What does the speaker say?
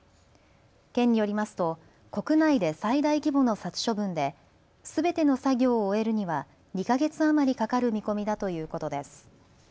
県によりますと国内で最大規模の殺処分ですべての作業を終えるには２か月余りかかる見込みだということです。